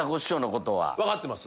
分かってます。